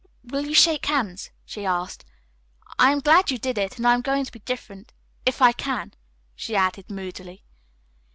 "Will you shake hands?" she asked. "I am glad you did it, and I am going to be different if I can," she added moodily.